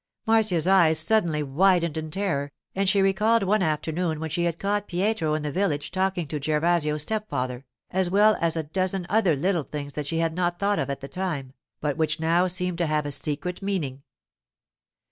Marcia's eyes suddenly widened in terror, and she recalled one afternoon when she had caught Pietro in the village talking to Gervasio's stepfather, as well as a dozen other little things that she had not thought of at the time, but which now seemed to have a secret meaning.